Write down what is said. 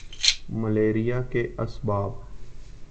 malaria کے اسباب